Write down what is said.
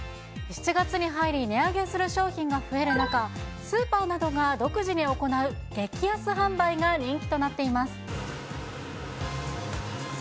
７月に入り、値上げする商品が増える中、スーパーなどが独自に行う激安販売が人気となっています。